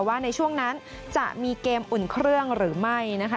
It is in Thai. ว่าในช่วงนั้นจะมีเกมอุ่นเครื่องหรือไม่นะคะ